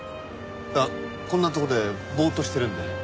あっこんなとこでぼーっとしてるんで。